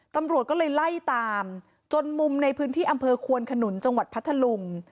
ตำรวจก็เลยไล่ตามจนมุมในพื้นที่อำเภอควนขนุนจังหวัดพัทธลุง